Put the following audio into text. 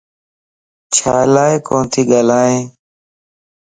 چھيلا ڪوتي ڳالھائي؟